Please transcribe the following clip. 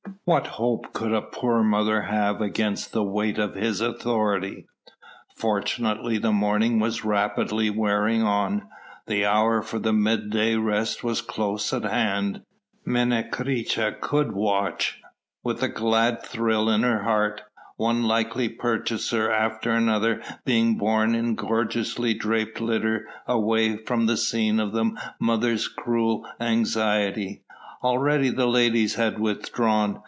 What hope could a poor mother have against the weight of his authority. Fortunately the morning was rapidly wearing on. The hour for the midday rest was close at hand. Menecreta could watch, with a glad thrill in her heart, one likely purchaser after another being borne in gorgeously draped litter away from this scene of a mother's cruel anxiety. Already the ladies had withdrawn.